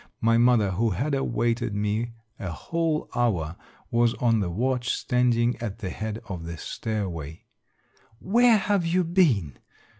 My mother, who had awaited me a whole hour, was on the watch, standing at the head of the stairway. " Where have you been?